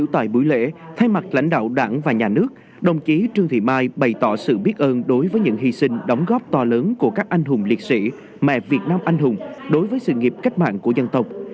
tại buổi lễ thay mặt lãnh đạo đảng và nhà nước đồng chí trương thị mai bày tỏ sự biết ơn đối với những hy sinh đóng góp to lớn của các anh hùng liệt sĩ mẹ việt nam anh hùng đối với sự nghiệp cách mạng của dân tộc